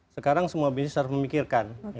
sekarang semua bisnis harus memikirkan